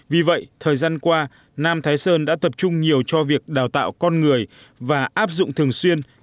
vì vậy thời gian qua nam thái sơn đã tập trung nhiều cho việc đào tạo con người và áp dụng thường xuyên